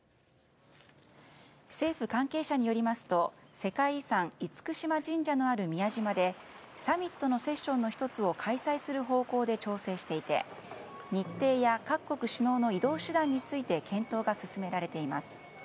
政府関係者によりますと世界遺産・厳島神社のある宮島でサミットのセッションの１つを開催する方向で調整していて、日程や各国首脳の移動手段について検討が進められています。